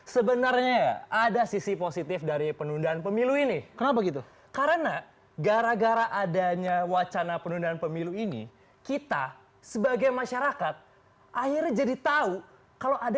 sebelumnya saya gak tau